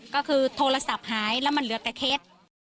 ก็คือโทรศัพท์หายแล้วมันเหลือแต่เคส